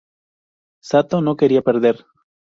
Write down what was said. Sato no quería perder.